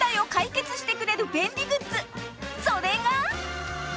それが